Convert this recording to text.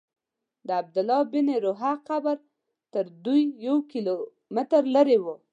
د عبدالله بن رواحه قبر تر دوی یو کیلومتر لرې و.